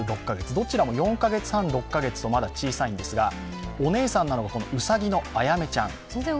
どちらも４カ月半６カ月とまだ小さいんですがお姉さんなのがうさぎのあやめちゃん。